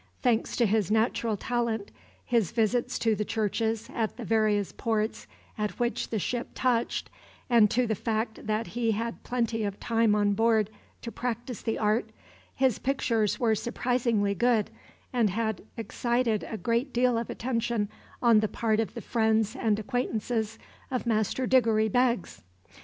Thanks to his natural talent, his visits to the churches at the various ports at which the ship touched, and to the fact that he had plenty of time on board to practice the art, his pictures were surprisingly good, and had excited a great deal of attention on the part of the friends and acquaintances of Master Diggory Beggs.